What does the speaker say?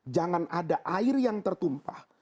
jangan ada air yang tertumpah